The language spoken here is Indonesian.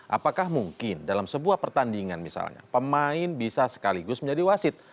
apakah mungkin dalam sebuah pertandingan misalnya pemain bisa sekaligus menjadi wasit